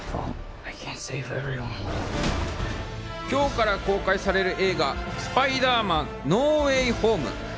今日から公開される映画『スパイダーマン：ノー・ウェイ・ホーム』。